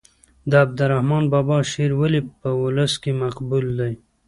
د عبدالرحمان بابا شعر ولې په ولس کې مقبول دی.